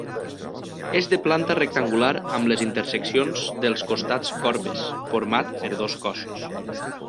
És de planta rectangular amb les interseccions dels costats corbes, format per dos cossos.